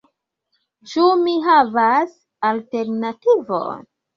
Ĉu mi havas alternativon?